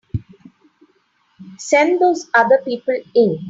Send those other people in.